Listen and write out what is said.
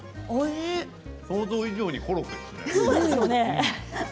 想像以上にコロッケですよね。